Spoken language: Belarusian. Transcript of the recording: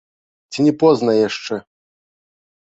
Ці не позна яшчэ?